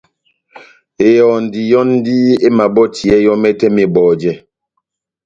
Ehɔndi yɔ́ndi emabɔtiyɛ yɔ́ mɛtɛ mɛtɛ mebɔjɛ